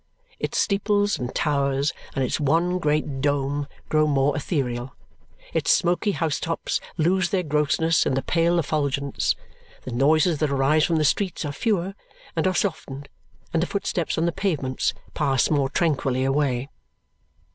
Its steeples and towers and its one great dome grow more ethereal; its smoky house tops lose their grossness in the pale effulgence; the noises that arise from the streets are fewer and are softened, and the footsteps on the pavements pass more tranquilly away.